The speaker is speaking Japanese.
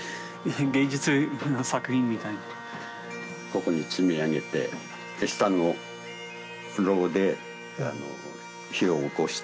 ここに積み上げて下の炉で火をおこして。